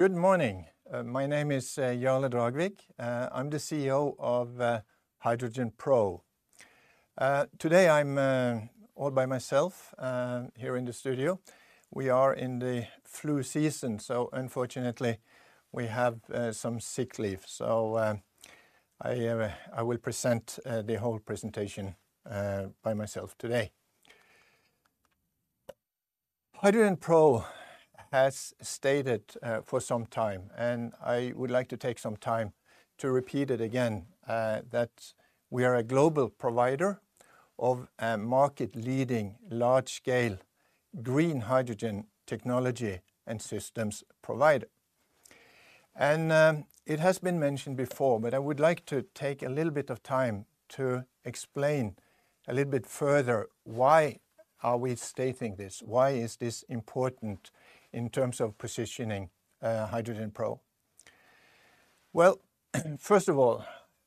Good morning. My name is Jarle Dragvik. I'm the CEO of HydrogenPro. Today I'm all by myself here in the studio. We are in the flu season, so unfortunately, we have some sick leave. I will present the whole presentation by myself today. HydrogenPro has stated for some time, and I would like to take some time to repeat it again, that we are a global provider of a market-leading, large-scale, green hydrogen technology and systems provider. It has been mentioned before, but I would like to take a little bit of time to explain a little bit further, why are we stating this? Why is this important in terms of positioning HydrogenPro? Well, first of all,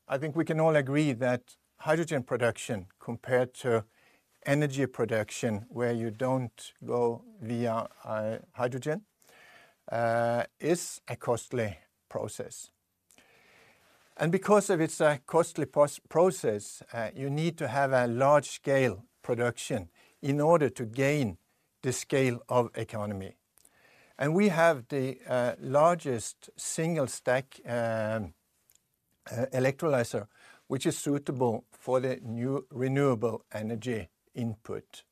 I think we can all agree that hydrogen production, compared to energy production, where you don't go via hydrogen, is a costly process. And because of its costly process, you need to have a large-scale production in order to gain the scale of economy. And we have the largest single-stack electrolyzer, which is suitable for the new renewable energy input.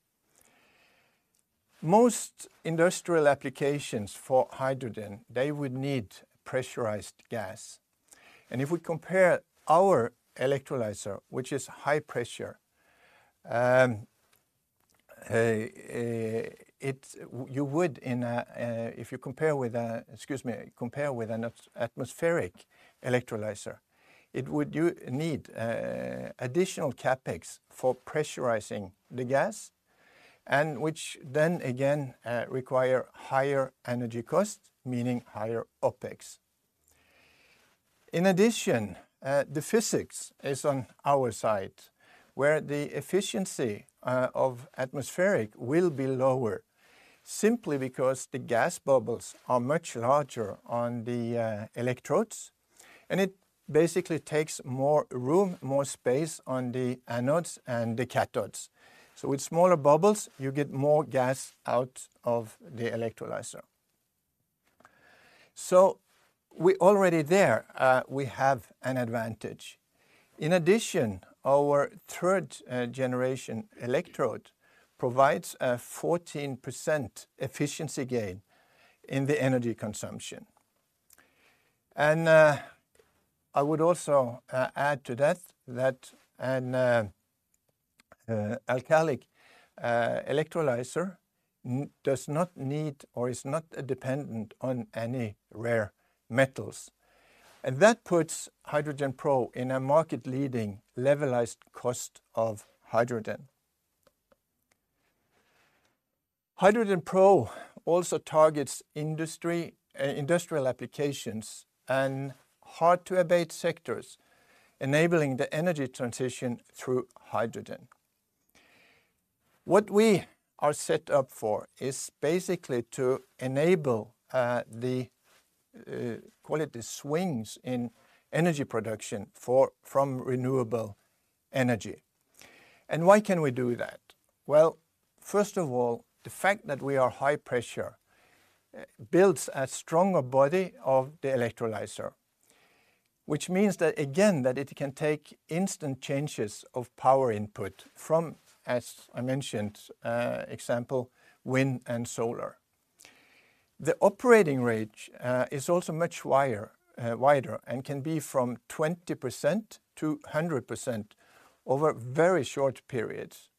Most industrial applications for hydrogen, they would need pressurized gas. And if we compare our electrolyzer, which is high pressure, excuse me, if you compare with an atmospheric electrolyzer, it would need additional CapEx for pressurizing the gas, and which then again require higher energy costs, meaning higher OpEx. In addition, the physics is on our side, where the efficiency of atmospheric will be lower, simply because the gas bubbles are much larger on the electrodes, and it basically takes more room, more space on the anodes and the cathodes. So with smaller bubbles, you get more gas out of the electrolyzer. So we already there, we have an advantage. In addition, our third generation electrode provides a 14% efficiency gain in the energy consumption. And I would also add to that, that an alkaline electrolyzer does not need or is not dependent on any rare metals. And that puts HydrogenPro in a market-leading levelized cost of hydrogen. HydrogenPro also targets industry, industrial applications and hard-to-abate sectors, enabling the energy transition through hydrogen. What we are set up for is basically to enable the quality swings in energy production from renewable energy. Why can we do that? Well, first of all, the fact that we are high-pressure builds a stronger body of the electrolyzer, which means that, again, that it can take instant changes of power input from, as I mentioned, example, wind and solar. The operating range is also much wider and can be from 20%-100% over very short periods.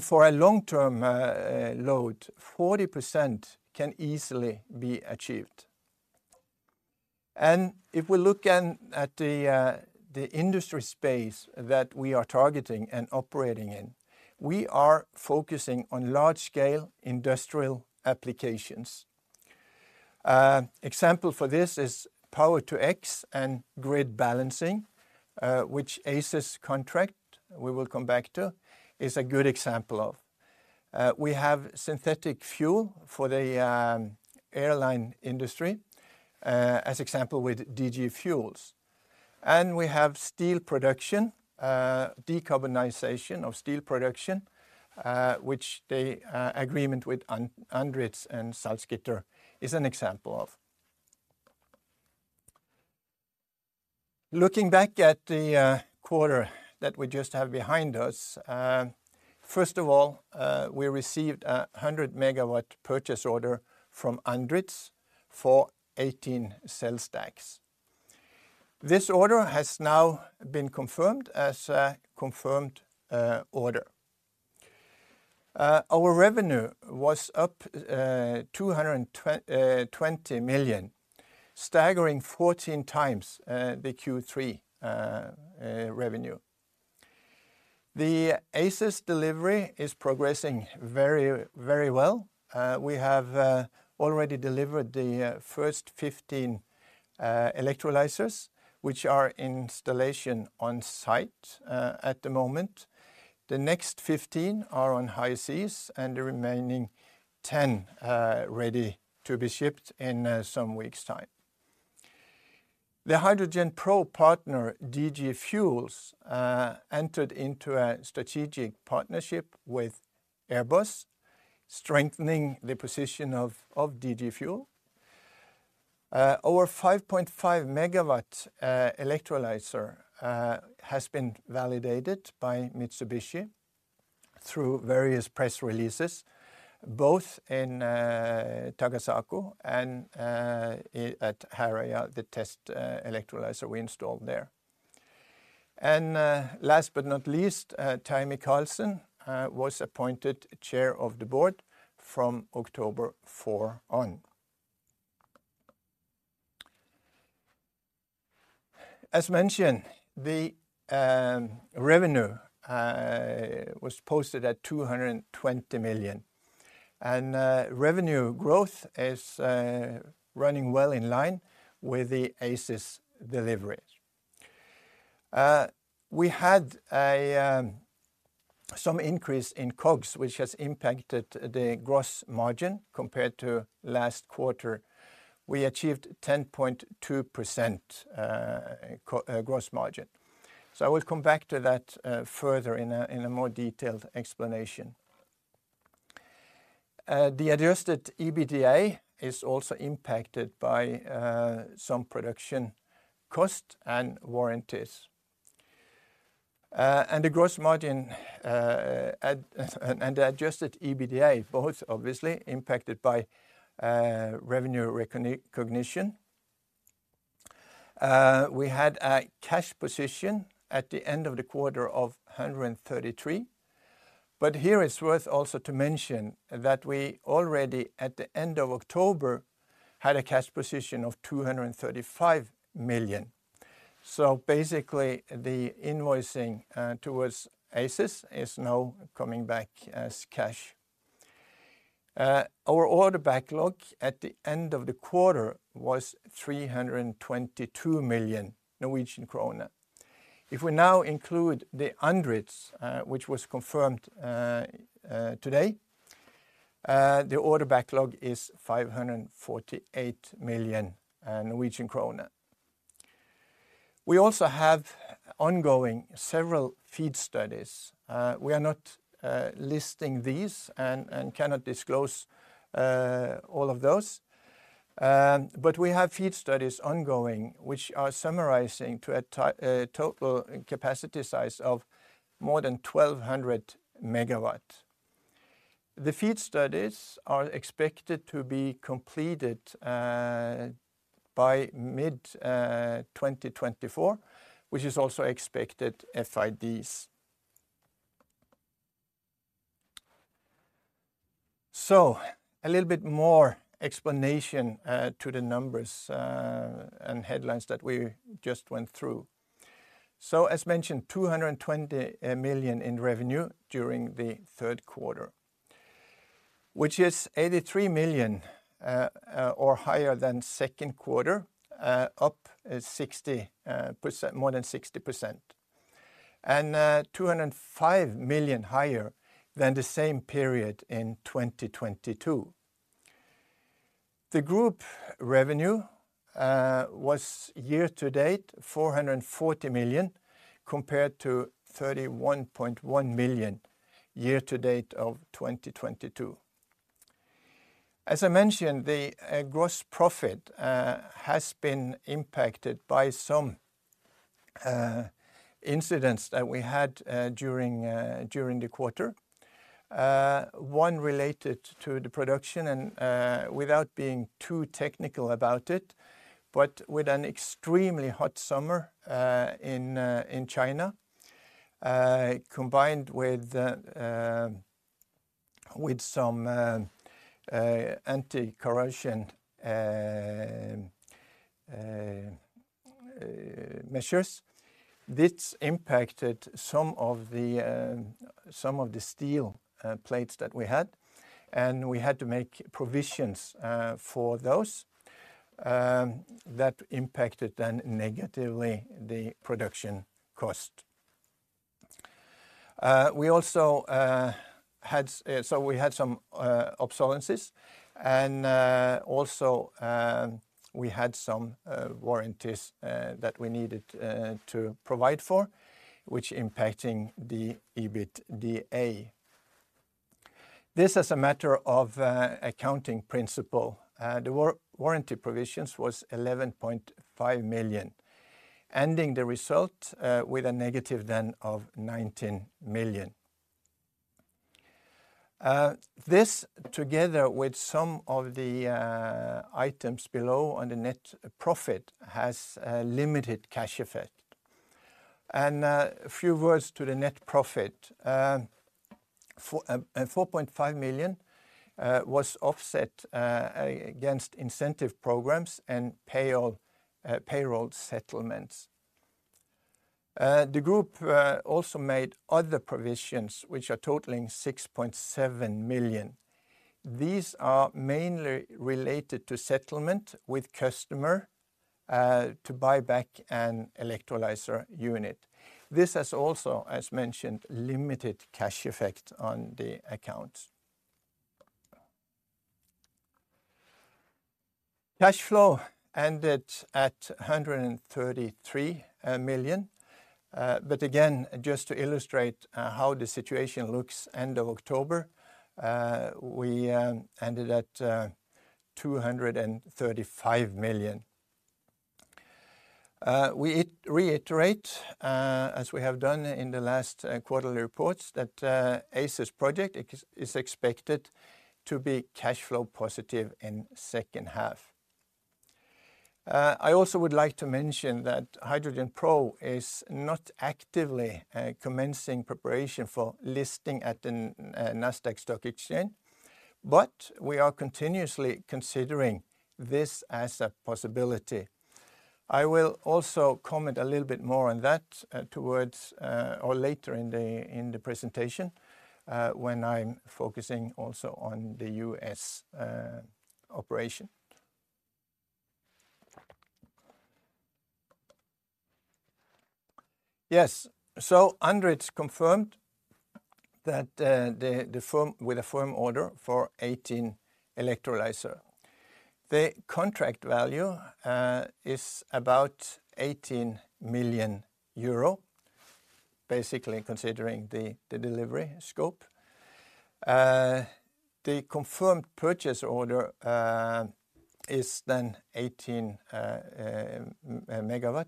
For a long-term load, 40% can easily be achieved. If we look at the industry space that we are targeting and operating in, we are focusing on large-scale industrial applications. Example for this is Power-to-X and grid balancing, which ACES contract, we will come back to, is a good example of. We have synthetic fuel for the airline industry, as example, with DG Fuels. And we have steel production, decarbonization of steel production, which the agreement with Andritz and Salzgitter is an example of. Looking back at the quarter that we just have behind us, first of all, we received a 100-megawatt purchase order from Andritz for 18 electrolyzer stacks. This order has now been confirmed as a confirmed order. Our revenue was up 20 million, staggering 14 times the Q3 revenue. The ACES delivery is progressing very, very well. We have already delivered the first 15 electrolyzers, which are in installation on site at the moment. The next 15 are on high seas, and the remaining 10 ready to be shipped in some weeks' time. The HydrogenPro partner, DG Fuels, entered into a strategic partnership with Airbus, strengthening the position of DG Fuels. Our 5.5 megawatt electrolyzer has been validated by Mitsubishi through various press releases, both in Takasago and at Herøya, the test electrolyzer we installed there. Last but not least, Terje Mikalsen was appointed chair of the board from October 4 on. As mentioned, the revenue was posted at 220 million. Revenue growth is running well in line with the ACES delivery. We had some increase in COGS, which has impacted the gross margin compared to last quarter. We achieved 10.2% gross margin. So I will come back to that further in a more detailed explanation. The adjusted EBITDA is also impacted by some production costs and warranties. And the gross margin and the adjusted EBITDA, both obviously impacted by revenue recognition. We had a cash position at the end of the quarter of 133 million, but here it's worth also to mention that we already, at the end of October, had a cash position of 235 million. So basically, the invoicing towards ACES is now coming back as cash. Our order backlog at the end of the quarter was 322 million Norwegian krone. If we now include the Andritz, which was confirmed today, the order backlog is 548 million Norwegian krone. We also have ongoing several FEED studies. We are not listing these and cannot disclose all of those. But we have FEED studies ongoing, which are summarizing to a total capacity size of more than 1,200 MW. The FEED studies are expected to be completed by mid-2024, which is also expected FIDs. So a little bit more explanation to the numbers and headlines that we just went through. So as mentioned, 220 million in revenue during the Q3, which is 83 million or higher than Q2, up 60%, more than 60%, and 205 million higher than the same period in 2022. The group revenue was year to date 440 million, compared to 31.1 million year to date of 2022. As I mentioned, the gross profit has been impacted by some incidents that we had during the quarter. One related to the production and, without being too technical about it, but with an extremely hot summer in China, combined with some anti-corrosion measures. This impacted some of the steel plates that we had, and we had to make provisions for those. That impacted then negatively the production cost. We also had. So we had some obsolescences, and also we had some warranties that we needed to provide for, which impacting the EBITDA. This, as a matter of accounting principle, the warranty provisions was 11.5 million, ending the result with a negative then of 19 million. This, together with some of the items below on the net profit, has a limited cash effect. And a few words to the net profit. Four point five million was offset against incentive programs and payroll payroll settlements. The group also made other provisions, which are totaling 6.7 million. These are mainly related to settlement with customer to buy back an electrolyzer unit. This has also, as mentioned, limited cash effect on the account. Cash flow ended at 133 million. But again, just to illustrate, how the situation looks end of October, we ended at 235 million. We reiterate, as we have done in the last quarterly reports, that ACES project is expected to be cash flow positive in second half. I also would like to mention that HydrogenPro is not actively commencing preparation for listing at the Nasdaq Stock Exchange, but we are continuously considering this as a possibility. I will also comment a little bit more on that, towards or later in the presentation, when I'm focusing also on the U.S. operation. Yes, so Andritz confirmed that with a firm order for 18 electrolyzer. The contract value is about 18 million euro, basically considering the delivery scope. The confirmed purchase order is then 18 MW,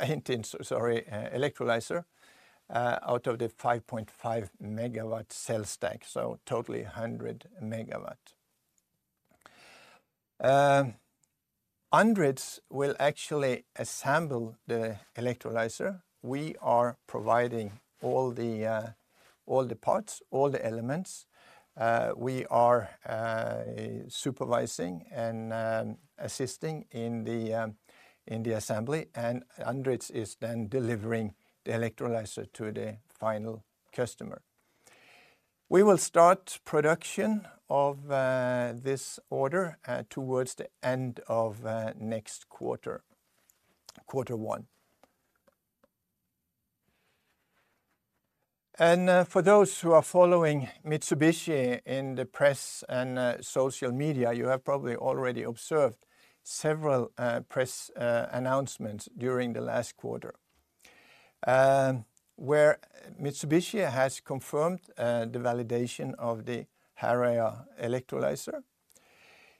18 electrolyzer out of the 5.5 MW cell stack, so totally 100 MW. Andritz will actually assemble the electrolyzer. We are providing all the parts, all the elements. We are supervising and assisting in the assembly, and Andritz is then delivering the electrolyzer to the final customer. We will start production of this order towards the end of next quarter, quarter one. For those who are following Mitsubishi in the press and social media, you have probably already observed several press announcements during the last quarter, where Mitsubishi has confirmed the validation of the Herøya electrolyzer.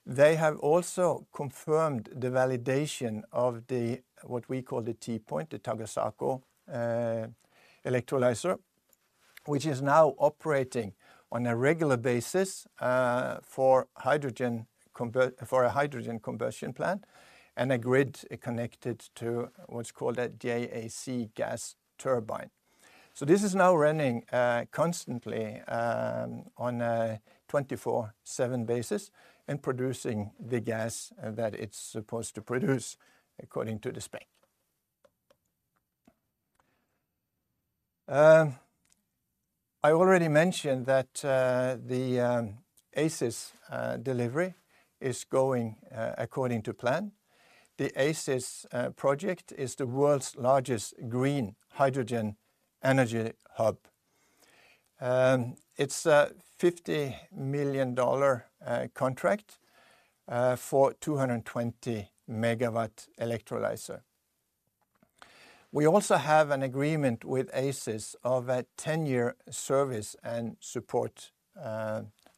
They have also confirmed the validation of what we call the T-Point, the Takasago electrolyzer, which is now operating on a regular basis for a hydrogen conversion plant, and a grid connected to what's called a JAC gas turbine. This is now running constantly on a 24/7 basis and producing the gas that it's supposed to produce according to the spec. I already mentioned that the ACES delivery is going according to plan. The ACES project is the world's largest green hydrogen energy hub. It's a $50 million contract for 220-megawatt electrolyzer. We also have an agreement with ACES of a 10-year service and support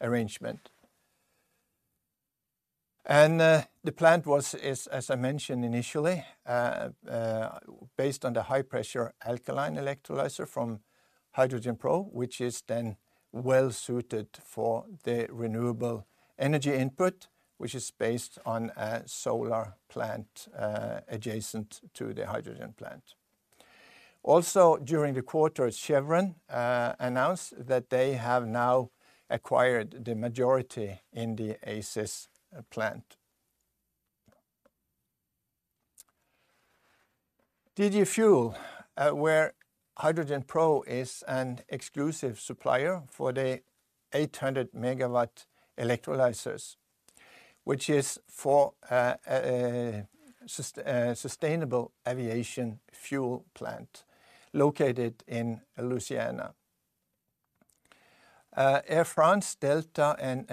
arrangement. And the plant was, is, as I mentioned initially, based on the high-pressure alkaline electrolyzer from HydrogenPro, which is then well-suited for the renewable energy input, which is based on a solar plant adjacent to the hydrogen plant. Also, during the quarter, Chevron announced that they have now acquired the majority in the ACES plant. DG Fuels, where HydrogenPro is an exclusive supplier for the 800-megawatt electrolyzers, which is for a sustainable aviation fuel plant located in Louisiana. Air France, Delta, and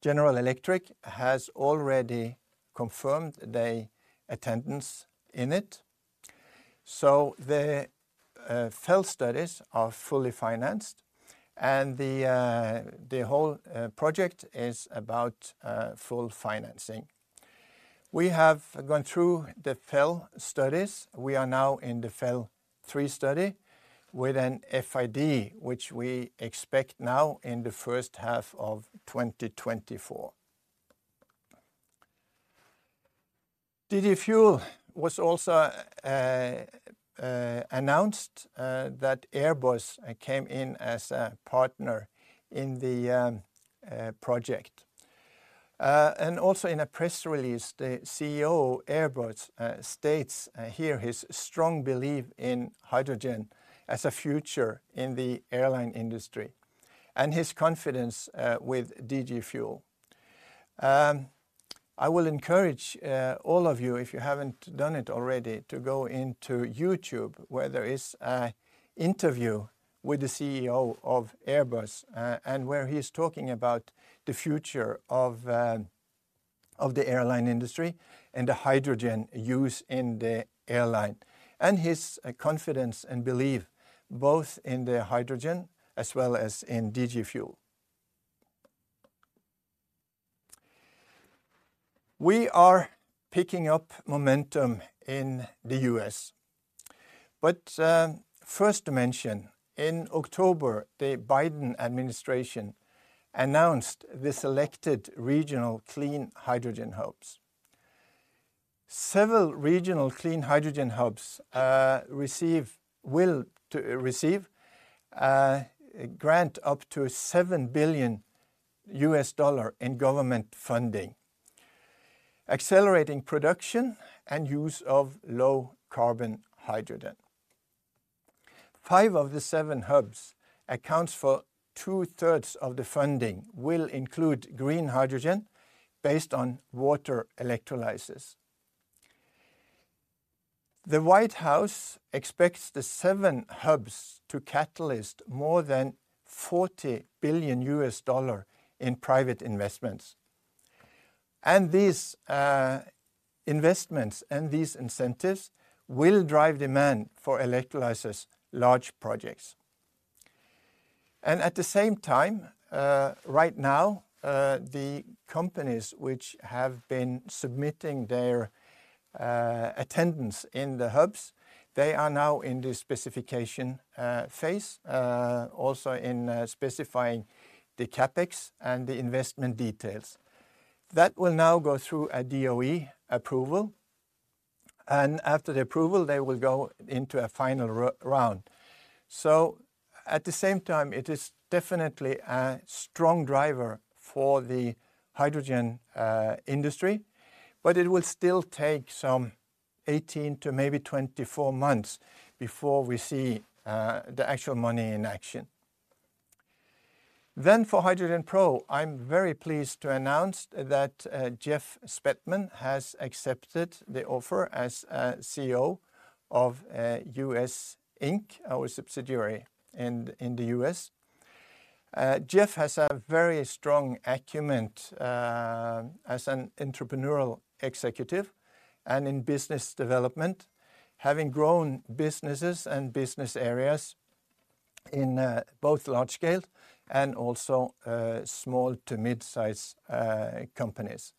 General Electric has already confirmed their attendance in it. So the FEED studies are fully financed, and the whole project is about full financing. We have gone through the FEL studies. We are now in the FEL-3 study with an FID, which we expect now in the first half of 2024. DG Fuels was also announced that Airbus came in as a partner in the project. And also in a press release, the CEO of Airbus states here his strong belief in hydrogen as a future in the airline industry, and his confidence with DG Fuels. I will encourage all of you, if you haven't done it already, to go into YouTube, where there is an interview with the CEO of Airbus, and where he is talking about the future of the airline industry and the hydrogen use in the airline, and his confidence and belief, both in the hydrogen as well as in DG fuel. We are picking up momentum in the U.S. But first to mention, in October, the Biden administration announced the selected regional clean hydrogen hubs. Several regional clean hydrogen hubs will receive grant up to $7 billion in government funding, accelerating production and use of low-carbon hydrogen. Five of the seven hubs accounts for two-thirds of the funding, will include green hydrogen based on water electrolysis. The White House expects the seven hubs to catalyst more than $40 billion in private investments. These investments and these incentives will drive demand for electrolysis large projects. At the same time, right now, the companies which have been submitting their attendance in the hubs, they are now in the specification phase, also in specifying the CapEx and the investment details. That will now go through a DOE approval, and after the approval, they will go into a final round. At the same time, it is definitely a strong driver for the hydrogen industry, but it will still take some 18 to maybe 24 months before we see the actual money in action. Then for HydrogenPro, I'm very pleased to announce that, Jeff Spethmann has accepted the offer as, CEO of, US Inc., our subsidiary in, in the US. Jeff has a very strong acumen, as an entrepreneurial executive and in business development, having grown businesses and business areas in, both large scale and also, small to mid-size, companies.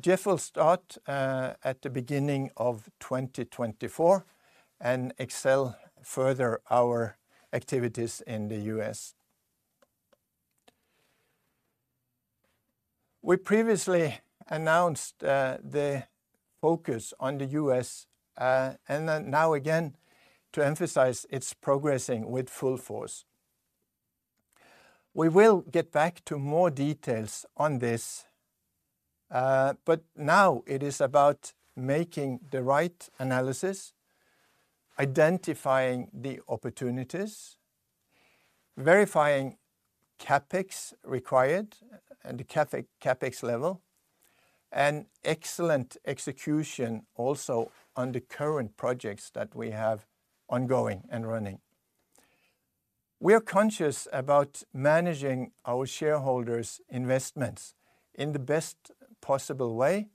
Jeff will start, at the beginning of 2024 and excel further our activities in the US. We previously announced, the focus on the US, and then now again, to emphasize it's progressing with full force. We will get back to more details on this, but now it is about making the right analysis, identifying the opportunities, verifying CapEx required and the CapEx level, and excellent execution also on the current projects that we have ongoing and running. We are conscious about managing our shareholders' investments in the best possible way,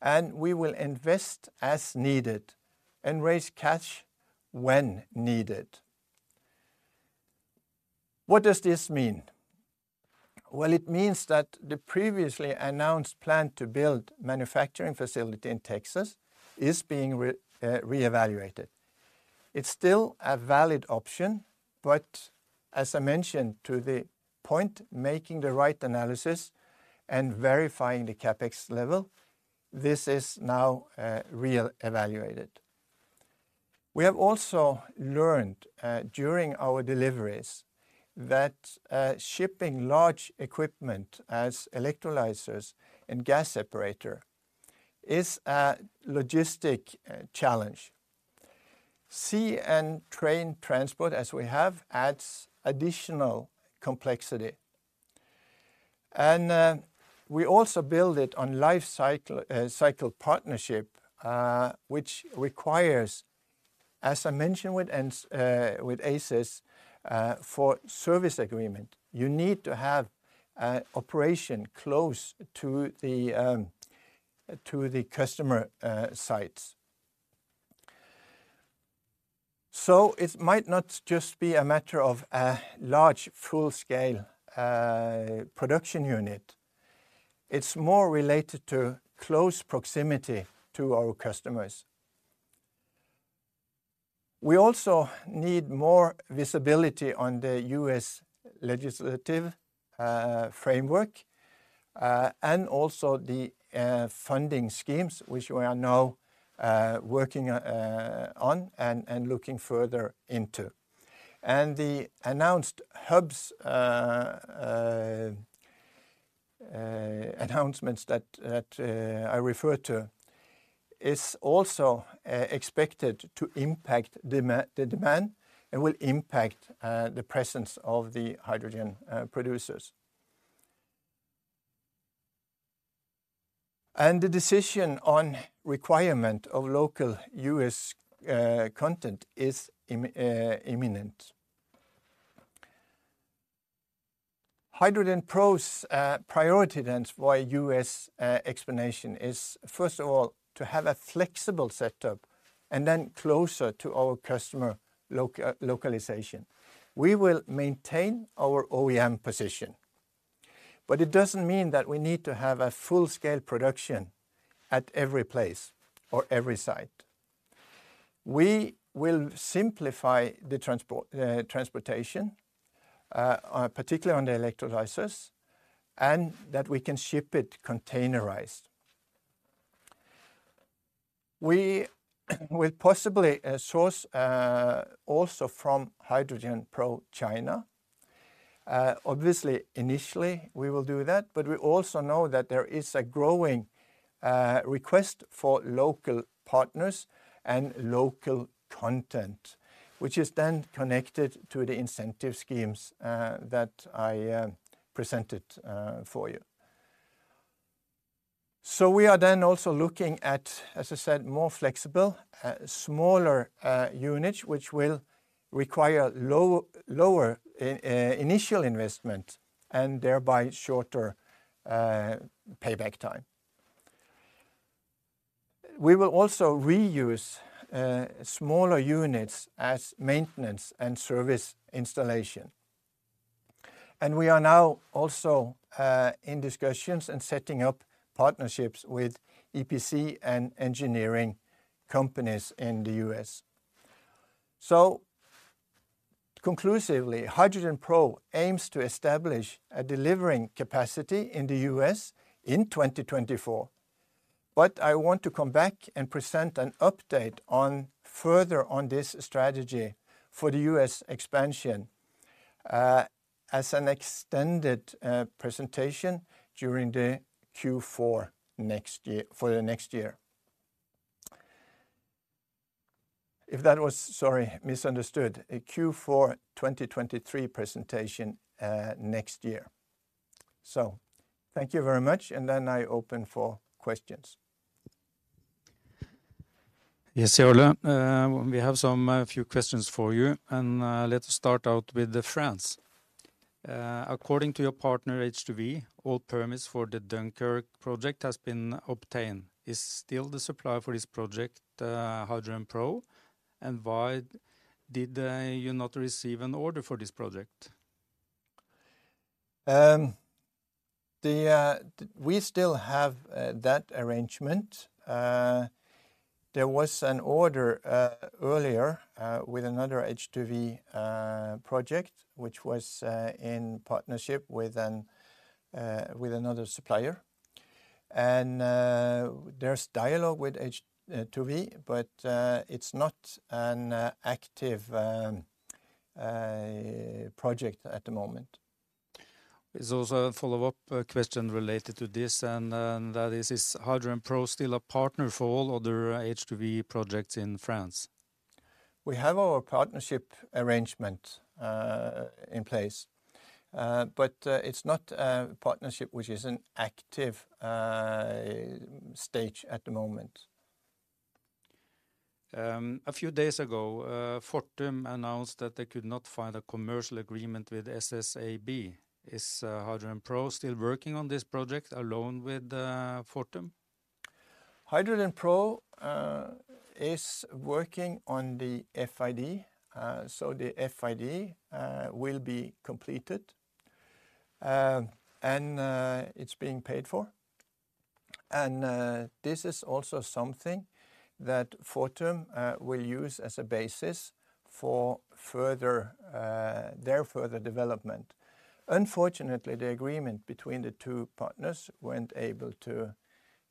and we will invest as needed and raise cash when needed. What does this mean? Well, it means that the previously announced plan to build manufacturing facility in Texas is being reevaluated. It's still a valid option, but as I mentioned, to the point, making the right analysis and verifying the CapEx level, this is now reevaluated. We have also learned during our deliveries that shipping large equipment as electrolyzers and gas separator is a logistic challenge. Sea and train transport, as we have, adds additional complexity. And we also build it on life cycle partnership, which requires, as I mentioned, with ACES for service agreement, you need to have a operation close to the customer sites. So it might not just be a matter of a large, full-scale production unit. It's more related to close proximity to our customers. We also need more visibility on the U.S. legislative framework and also the funding schemes, which we are now working on and looking further into. And the announced hubs announcements that I referred to is also expected to impact the demand and will impact the presence of the hydrogen producers. And the decision on requirement of local U.S. content is imminent. HydrogenPro's priority, then, for a U.S. expansion is, first of all, to have a flexible setup and then closer to our customer localization. We will maintain our OEM position, but it doesn't mean that we need to have a full-scale production at every place or every site. We will simplify the transportation, particularly on the electrolyzers, and that we can ship it containerized. We will possibly source also from HydrogenPro China. Obviously, initially, we will do that, but we also know that there is a growing request for local partners and local content, which is then connected to the incentive schemes that I presented for you. So we are then also looking at, as I said, more flexible smaller units, which will require lower initial investment, and thereby shorter payback time. We will also reuse smaller units as maintenance and service installation. And we are now also in discussions and setting up partnerships with EPC and engineering companies in the U.S. So conclusively, HydrogenPro aims to establish a delivering capacity in the U.S. in 2024. But I want to come back and present an update on further on this strategy for the U.S. expansion, as an extended presentation during the Q4 next year... for the next year. If that was, sorry, misunderstood, a Q4 2023 presentation, next year. So thank you very much, and then I open for questions. Yes, Jarle, we have some, a few questions for you, and, let's start out with the France. According to your partner, H2V, all permits for the Dunkirk project has been obtained. Is still the supplier for this project, HydrogenPro? And why did, you not receive an order for this project? We still have that arrangement. There was an order earlier with another H2V project, which was in partnership with another supplier. There's dialogue with H2V, but it's not an active project at the moment. There's also a follow-up question related to this, and that is, is HydrogenPro still a partner for all other H2V projects in France? We have our partnership arrangement in place, but it's not a partnership which is in active stage at the moment. A few days ago, Fortum announced that they could not find a commercial agreement with SSAB. Is HydrogenPro still working on this project alone with Fortum? HydrogenPro is working on the FID. So the FID will be completed and it's being paid for. And this is also something that Fortum will use as a basis for further their further development. Unfortunately, the agreement between the two partners weren't able to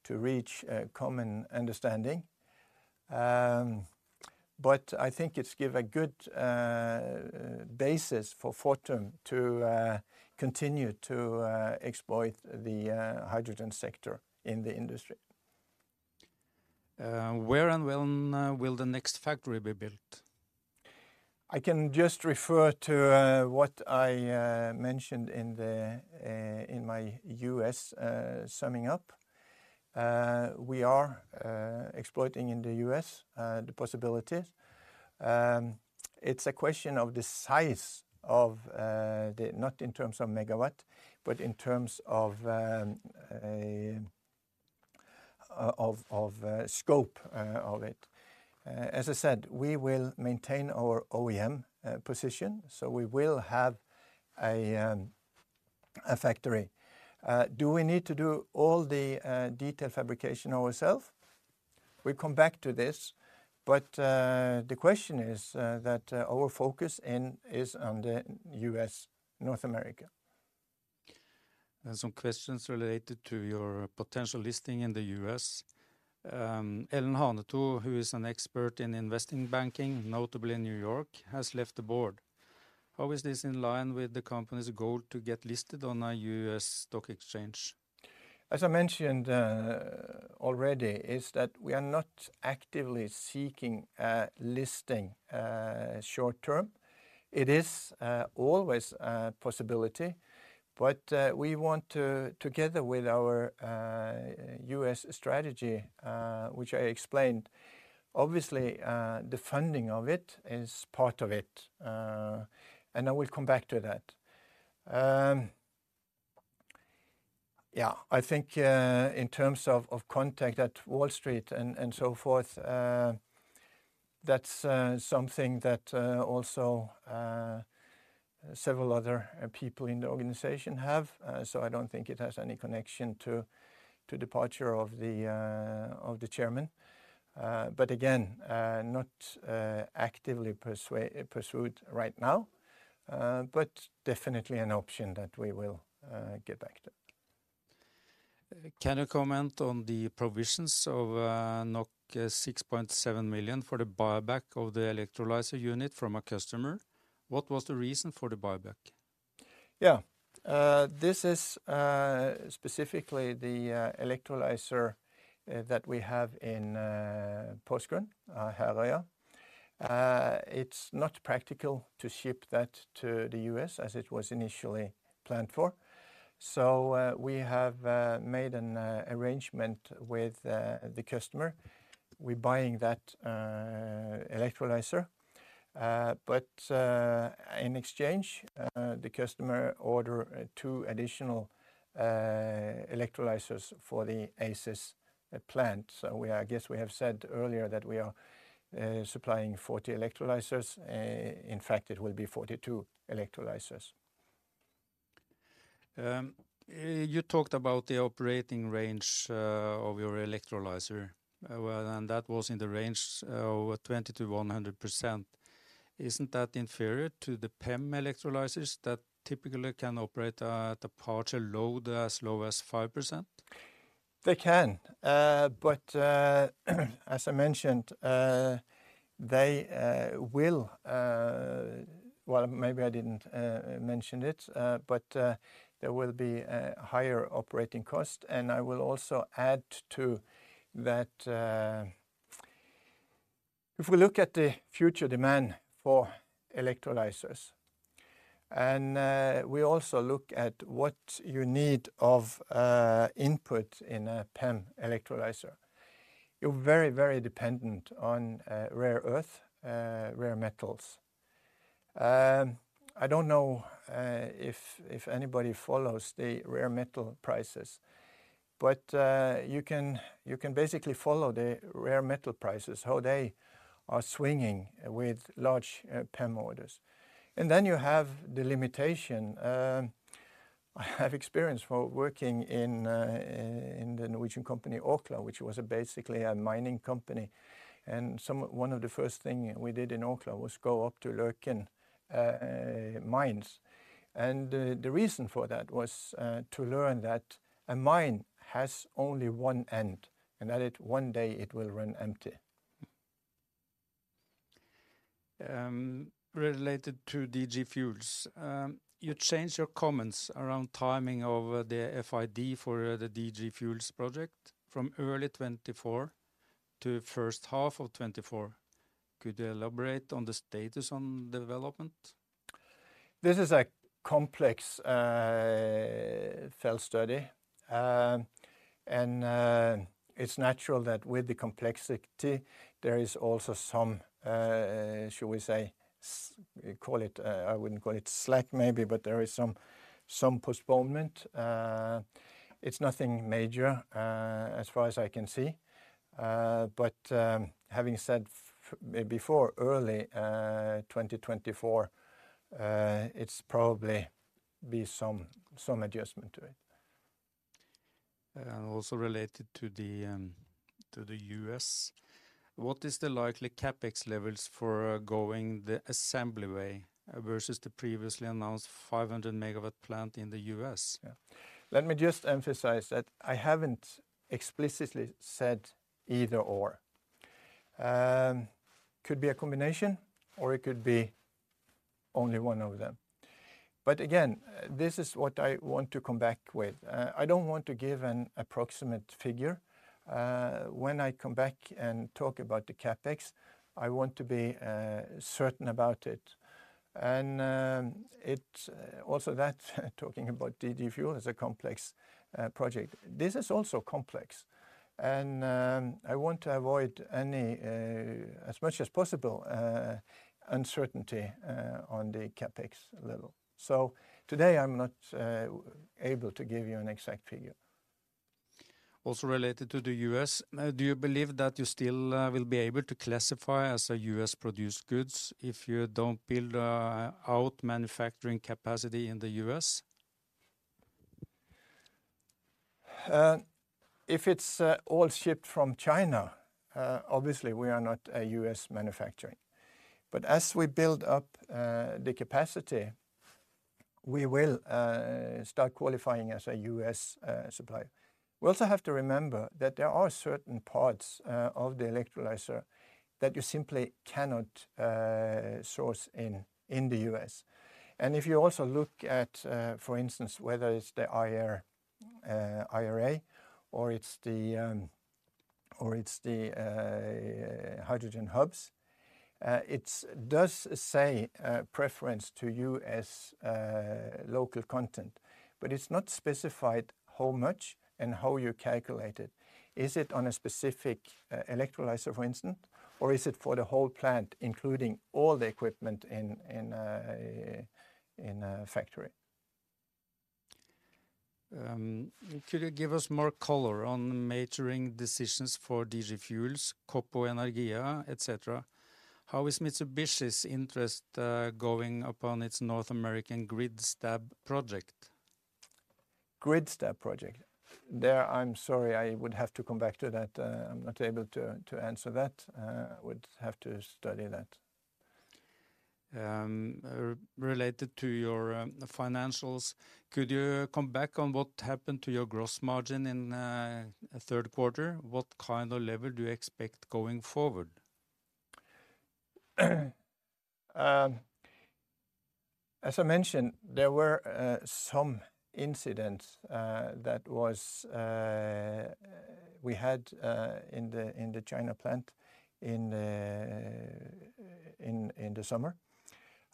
reach a common understanding. But I think it's give a good basis for Fortum to continue to exploit the hydrogen sector in the industry. Where and when will the next factory be built? I can just refer to what I mentioned in the in my U.S. summing up. We are exploiting in the U.S. the possibilities. It's a question of the size of the... not in terms of megawatt, but in terms of a scope of it. As I said, we will maintain our OEM position, so we will have a factory. Do we need to do all the detail fabrication ourselves? We come back to this, but the question is that our focus is on the U.S., North America. There are some questions related to your potential listing in the U.S. Ellen Hanetho, who is an expert in investment banking, notably in New York, has left the board. How is this in line with the company's goal to get listed on a U.S. stock exchange? As I mentioned already, we are not actively seeking a listing short-term. It is always a possibility, but we want to, together with our U.S. strategy, which I explained, obviously, the funding of it is part of it. And I will come back to that. Yeah, I think in terms of contact at Wall Street and so forth, that's something that also several other people in the organization have. So I don't think it has any connection to the departure of the chairman. But again, not actively pursued right now, but definitely an option that we will get back to. Can you comment on the provisions of 6.7 million for the buyback of the electrolyzer unit from a customer? What was the reason for the buyback? Yeah. This is specifically the electrolyzer that we have in Porsgrunn, Herøya. It's not practical to ship that to the U.S. as it was initially planned for. So, we have made an arrangement with the customer. We're buying that electrolyzer. But, in exchange, the customer order two additional electrolyzers for the ACES plant. So, I guess we have said earlier that we are supplying 40 electrolyzers. In fact, it will be 42 electrolyzers. You talked about the operating range of your electrolyzer, well, and that was in the range over 20%-100%. Isn't that inferior to the PEM electrolyzers that typically can operate at a partial load as low as 5%? They can. But as I mentioned, they will. Well, maybe I didn't mention it, but there will be a higher operating cost. I will also add to that, if we look at the future demand for electrolyzers, and we also look at what you need of input in a PEM electrolyzer, you're very, very dependent on rare earth metals. I don't know if anybody follows the rare metal prices, but you can basically follow the rare metal prices, how they are swinging with large PEM orders. And then you have the limitation. I have experience for working in the Norwegian company, Orkla, which was basically a mining company. One of the first thing we did in Orkla was go up to Løkken mines. The reason for that was to learn that a mine has only one end, and that it, one day it will run empty. Related to DG Fuels, you changed your comments around timing of the FID for the DG Fuels project from early 2024 to first half of 2024. Could you elaborate on the status on development? This is a complex FEED study. It's natural that with the complexity, there is also some shall we say, call it, I wouldn't call it slack maybe, but there is some postponement. It's nothing major as far as I can see. But having said before early 2024, it's probably be some adjustment to it. Also related to the US, what is the likely CapEx levels for going the assembly way versus the previously announced 500-MW plant in the US? Yeah. Let me just emphasize that I haven't explicitly said either/or. Could be a combination or it could be only one of them. But again, this is what I want to come back with. I don't want to give an approximate figure. When I come back and talk about the CapEx, I want to be certain about it. And, it's also that, talking about DG Fuels is a complex project. This is also complex, and I want to avoid any, as much as possible, uncertainty on the CapEx level. So today, I'm not able to give you an exact figure. Also related to the U.S., do you believe that you still will be able to classify as a U.S.-produced goods if you don't build out manufacturing capacity in the U.S.? If it's all shipped from China, obviously we are not a U.S. manufacturing. But as we build up the capacity, we will start qualifying as a U.S. supplier. We also have to remember that there are certain parts of the electrolyzer that you simply cannot source in the U.S. And if you also look at, for instance, whether it's the IRA or it's the hydrogen hubs, it does say preference to U.S. local content, but it's not specified how much and how you calculate it. Is it on a specific electrolyzer, for instance, or is it for the whole plant, including all the equipment in a factory? Could you give us more color on the maturing decisions for DG Fuels, Kvina Energy, et cetera? How is Mitsubishi's interest going upon its North American GridStab project? Gridstab project. I'm sorry, I would have to come back to that. I'm not able to answer that. I would have to study that. Related to your financials, could you come back on what happened to your gross margin in the Q3? What kind of level do you expect going forward? As I mentioned, there were some incidents that we had in the China plant in the summer.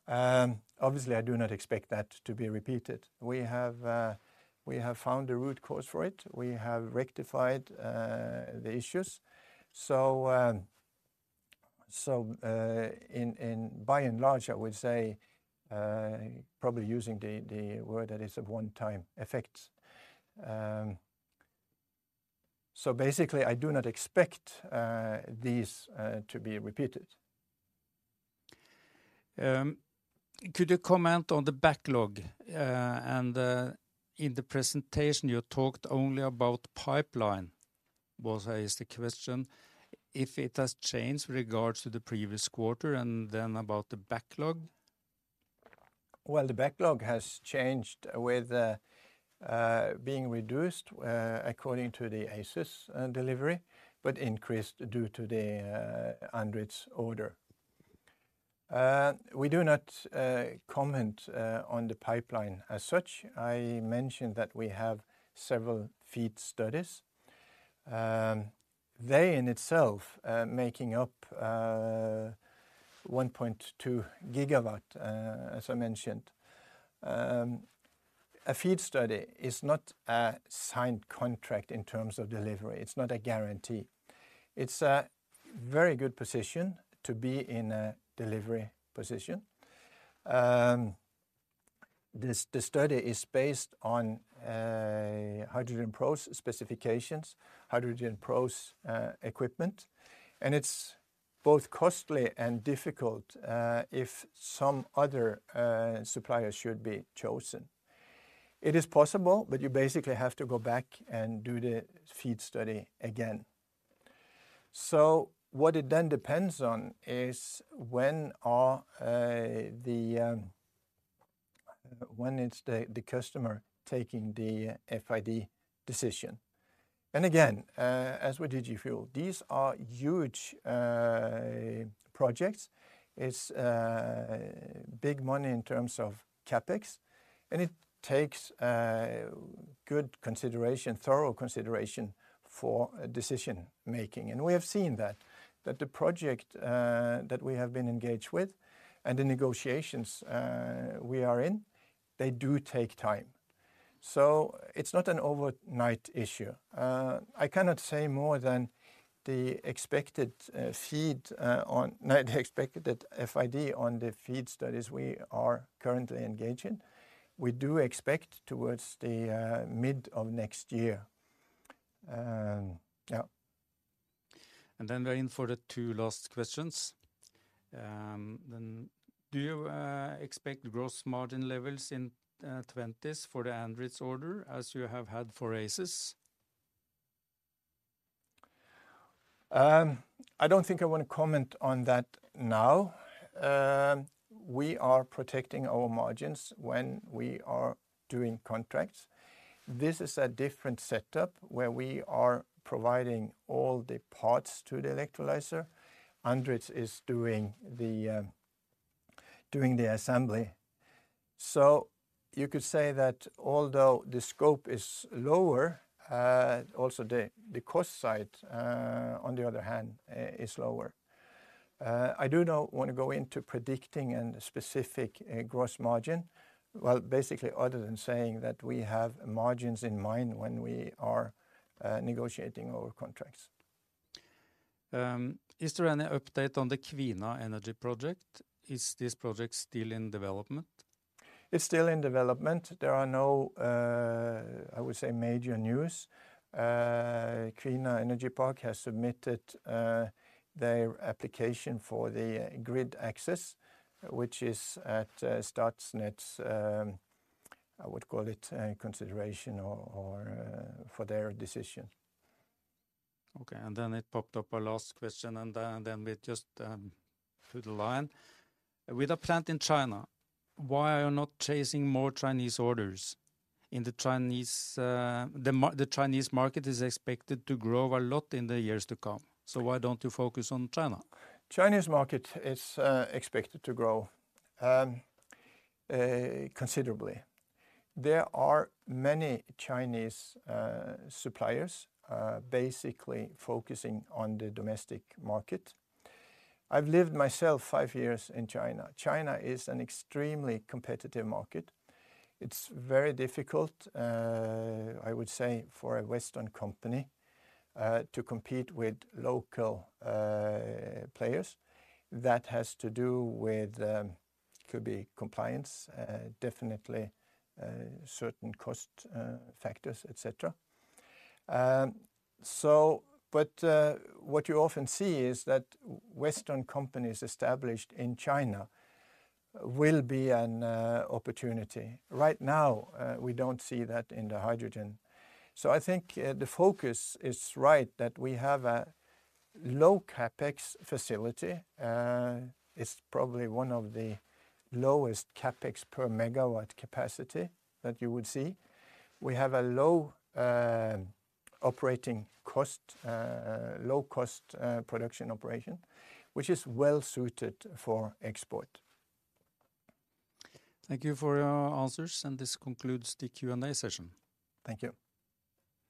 Obviously, I do not expect that to be repeated. We have we have found a root cause for it. We have rectified the issues. So, by and large, I would say, probably using the word that it's a one-time effect. So basically, I do not expect these to be repeated. Could you comment on the backlog? And, in the presentation, you talked only about pipeline. Well, here is the question: if it has changed with regards to the previous quarter, and then about the backlog. Well, the backlog has changed with being reduced according to the ACES delivery, but increased due to the Andritz order. We do not comment on the pipeline as such. I mentioned that we have several FEED studies. They in itself making up 1.2 gigawatt as I mentioned. A FEED study is not a signed contract in terms of delivery. It's not a guarantee. It's a very good position to be in a delivery position. The study is based on HydrogenPro's specifications, HydrogenPro's equipment, and it's both costly and difficult if some other supplier should be chosen. It is possible, but you basically have to go back and do the FEED study again. So what it then depends on is when are the... When is the customer taking the FID decision? Again, as with DG Fuels, these are huge projects. It's big money in terms of CapEx, and it takes a good consideration, thorough consideration for decision-making. We have seen that the project that we have been engaged with and the negotiations we are in, they do take time. So it's not an overnight issue. I cannot say more than the expected FID on the FEED studies we are currently engaging. We do expect towards the mid of next year. Yeah. And then we're in for the two last questions. Then do you expect gross margin levels in twenties for the Andritz order, as you have had for ACES? I don't think I want to comment on that now. We are protecting our margins when we are doing contracts. This is a different setup where we are providing all the parts to the electrolyzer. Andritz is doing the assembly. So you could say that although the scope is lower, also the cost side, on the other hand, is lower. I do not want to go into predicting and specific gross margin, well, basically, other than saying that we have margins in mind when we are negotiating our contracts. Is there any update on the Kvina Energy project? Is this project still in development? It's still in development. There are no, I would say, major news. Kvina Energy Park has submitted their application for the grid access, which is at starts in its, I would call it, consideration or, or, for their decision. Okay, and then it popped up our last question, and then, then we just through the line. With a plant in China, why are you not chasing more Chinese orders? In the Chinese market is expected to grow a lot in the years to come. So why don't you focus on China? Chinese market is expected to grow considerably. There are many Chinese suppliers basically focusing on the domestic market. I've lived myself five years in China. China is an extremely competitive market. It's very difficult, I would say, for a Western company to compete with local players. That has to do with could be compliance definitely certain cost factors, et cetera. So but what you often see is that Western companies established in China will be an opportunity. Right now we don't see that in the hydrogen. So I think the focus is right, that we have a low CapEx facility. It's probably one of the lowest CapEx per megawatt capacity that you would see. We have a low operating cost low cost production operation, which is well-suited for export. Thank you for your answers, and this concludes the Q&A session. Thank you.